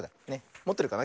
もってるかな？